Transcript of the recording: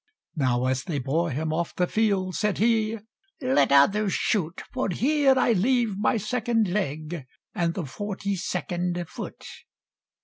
Now as they bore him off the field, Said he, "Let others shoot, For here I leave my second leg, And the Forty second Foot!"